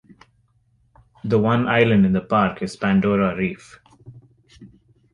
The one island in the park is Pandora Reef.